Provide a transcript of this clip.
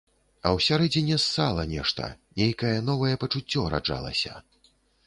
А ўсярэдзіне ссала нешта, нейкае новае пачуццё раджалася.